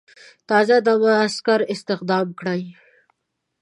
تازه دمه عسکر استخدام کړي.